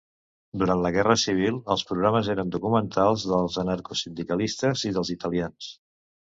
Durant la Guerra Civil els programes eren documentals dels anarcosindicalistes i dels italians.